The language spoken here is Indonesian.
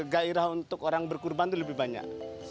gairah untuk orang berkurban itu lebih banyak